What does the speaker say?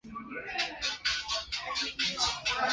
各部首长排名次序取决于各部成立的早晚。